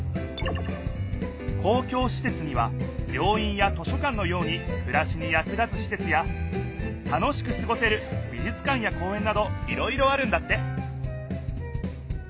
公共しせつには病院や図書館のようにくらしにやく立つしせつや楽しくすごせるびじゅつ館や公園などいろいろあるんだって！